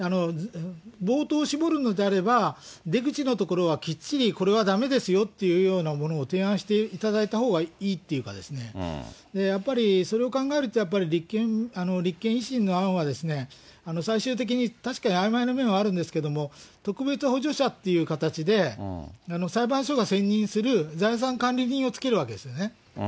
冒頭を絞るのであれば、出口のところはきっちりこれはだめですよというようなものを提案していただいたほうがいいっていうかですね、やっぱりそれを考えると、やっぱり立憲、維新の案は、最終的に確かにあいまいな面はあるんですけれども、特別補助者っていう形で、裁判所が選任する財産管理人をつけるわけですよね。